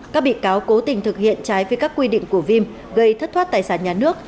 các bị cáo cố tình thực hiện trái với các quy định của vim gây thất thoát tài sản nhà nước